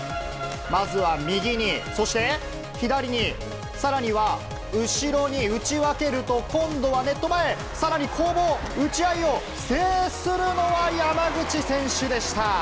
まずは右に、そして左に、さらには後ろに打ち分けると、今度はネット前、さらに攻防、打ち合いを制するのは山口選手でした。